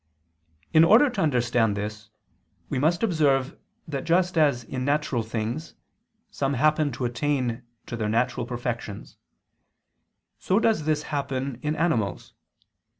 In order to understand this, we must observe that just as in natural things some happen to attain to their natural perfections, so does this happen in animals.